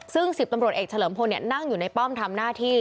ซึ่ง๑๐ตำรวจเอกเฉลิมพลนั่งอยู่ในป้อมทำหน้าที่